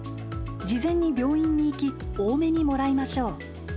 事前に病院に行き多めにもらいましょう。